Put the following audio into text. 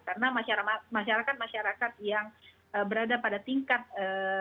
karena masyarakat masyarakat yang berada pada tingkat sosial ekonomi di indonesia